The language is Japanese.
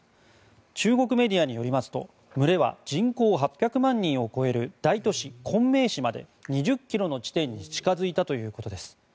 中国メディアによりますと群れは人口８００万人を超える大都市・昆明市まで２０ｋｍの地点に近付いたということです。